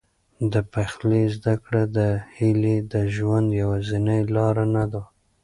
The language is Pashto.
د پخلي زده کړه د هیلې د ژوند یوازینۍ لاره نه وه.